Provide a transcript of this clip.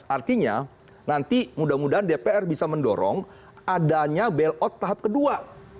artinya nanti mudah mudahan dpr bisa mendorong adanya bailout tahap kedua